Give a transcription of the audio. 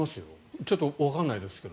ちょっとわからないですけど。